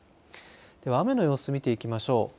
では、雨の様子見ていきましょう。